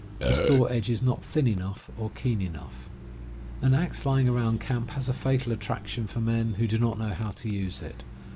The store edge is not thin enough or keen enough. An axe lying around camp has a fatal attraction for men who do not know how to use it.